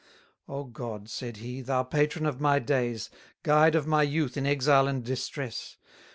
262 O God, said he, thou patron of my days, Guide of my youth in exile and distress!